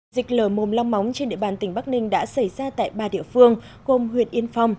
dịch lở mồm long móng trên địa bàn tỉnh bắc ninh đã xảy ra tại ba địa phương gồm huyện yên phong